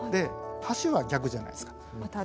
橋は逆じゃないですか。